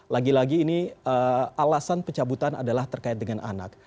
lagi lagi ini alasan pecah butan adalah terkait dengan anak